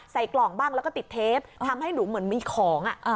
ใส่กล่องบ้างแล้วก็ติดเทปทำให้หนูเหมือนมีของ